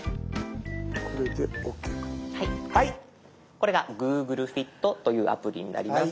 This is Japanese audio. これが「ＧｏｏｇｌｅＦｉｔ」というアプリになります。